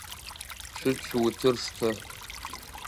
Цуц, утыр штэ!